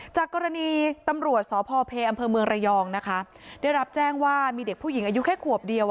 จากกรณีตำรวจสพเพอำเภอเมืองระยองนะคะได้รับแจ้งว่ามีเด็กผู้หญิงอายุแค่ขวบเดียว